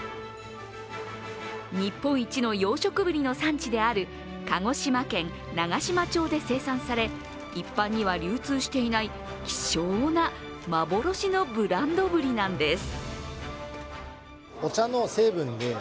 日本一の養殖ブリの産地である鹿児島県長島町で生産され一般には流通していない希少な幻のブランドぶりなんです。